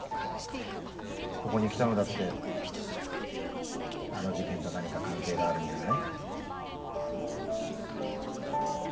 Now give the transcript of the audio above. ここに来たのだってあの事件と何か関係があるんじゃない？